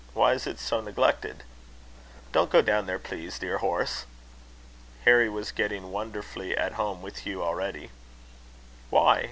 Why is it so neglected?" "Don't go down there, please, dear horse." Harry was getting wonderfully at home with Hugh already. "Why?"